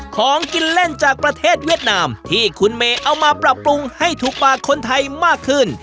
ของกินเล่นจากประเทศเวียดนามที่คุณเมย์เอามาปรับปรุงให้ถูกปากคนไทยมากขึ้น